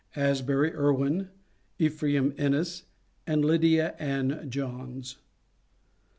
ASBURY IRWIN, EPHRAIM ENNIS, AND LYDIA ANN JOHNS.